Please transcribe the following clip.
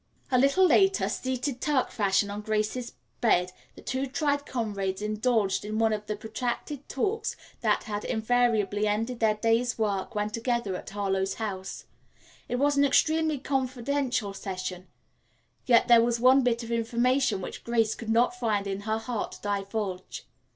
A little later, seated Turk fashion on Grace's bed, the two tried comrades indulged in one of the protracted talks that had invariably ended their day's work when together at Harlowe House. It was an extremely confidential session, yet there was one bit of information which Grace could not find it in her heart to divulge.